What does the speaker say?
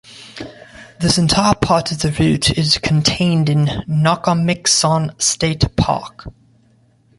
This entire part of the route is contained in Nockamixon State Park.